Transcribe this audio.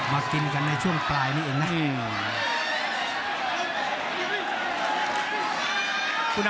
มากินกันในช่วงปลายนี้เองนะ